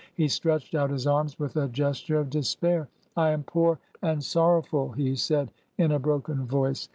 He stretched out his arms with a gesture of despair. ' I am poor and sorrowful,' " he said in a broken voice.